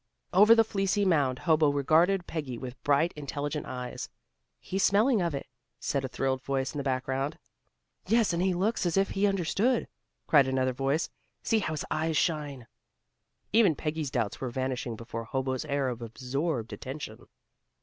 Over the fleecy mound, Hobo regarded Peggy with bright, intelligent eyes. "He's smelling of it," said a thrilled voice in the background. "Yes, and he looks as if he understood," cried another voice. "See how his eyes shine." Even Peggy's doubts were vanishing before Hobo's air of absorbed attention.